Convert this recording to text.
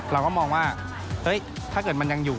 เราก็มองว่าถ้าเกิดมันยังอยู่